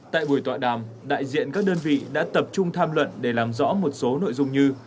tại buổi tọa đàm đại diện các đơn vị đã tập trung tham luận để làm rõ một số nội dung như